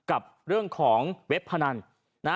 กับเรื่องของเว็บพนัน